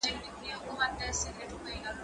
زه مخکي تمرين کړي وو!؟